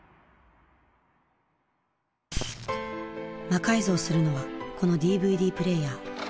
魔改造するのはこのＤＶＤプレーヤー。